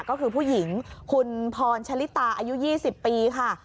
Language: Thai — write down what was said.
ก็คือผู้หญิงคุณพรชะลิตาอายุ๒๐ปีค่ะ